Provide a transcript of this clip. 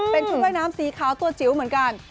เป็นชุดว่ายน้ำสีขาวตัวจิ๋วเหมือนกัน